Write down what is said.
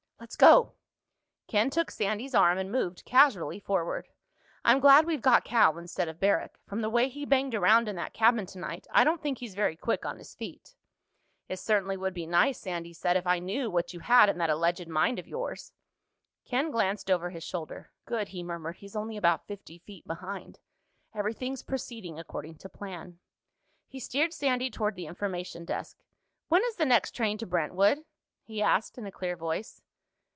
"Let's go." Ken took Sandy's arm and moved casually forward. "I'm glad we've got Cal instead of Barrack. From the way he banged around in that cabin tonight, I don't think he's very quick on his feet." "It certainly would be nice," Sandy said, "if I knew what you had in that alleged mind of yours." Ken glanced over his shoulder. "Good," he murmured. "He's only about fifty feet behind. Everything's proceeding according to plan." He steered Sandy toward the Information Desk. "When is the next train to Brentwood?" he asked in a clear voice.